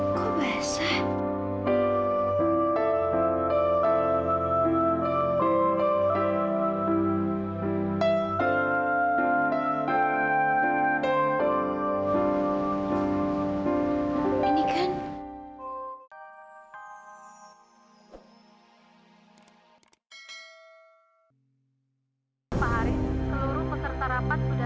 sampai jumpa di video selanjutnya